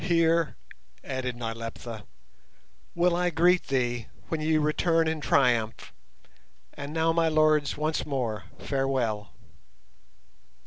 "Here," added Nyleptha, "will I greet thee when ye return in triumph. And now, my lords, once more, farewell!"